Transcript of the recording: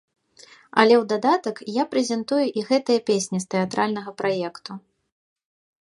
Але ў дадатак я прэзентую і гэтыя песні з тэатральнага праекту.